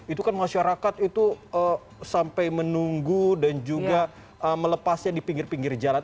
itu kan masyarakat itu sampai menunggu dan juga melepasnya di pinggir pinggir jalan